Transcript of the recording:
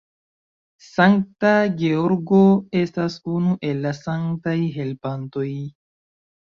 Sankta Georgo estas unu el la sanktaj helpantoj.